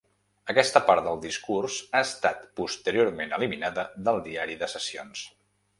Aquesta part del discurs ha estat posteriorment eliminada del diari de sessions.